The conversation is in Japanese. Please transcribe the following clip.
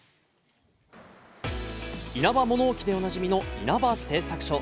イナバ物置でおなじみの稲葉製作所。